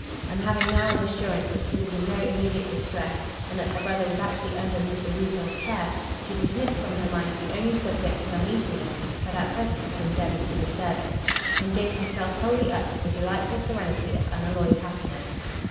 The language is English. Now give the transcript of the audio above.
And having now an assurance that she was in no immediate distress, and that her brother was actually under Mr Rupil's care, she dismissed from her mind the only subject of uneasiness that at present had endeavoured to disturb it, and gave herself wholly up to the delightful serenity of [unalloyed] happiness.